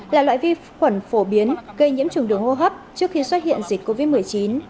là loại vi khuẩn phổ biến gây nhiễm trùng đường hô hấp trước khi xuất hiện dịch covid một mươi chín